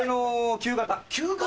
旧型？